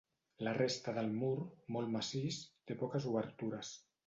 La resta del mur, molt massís, té poques obertures.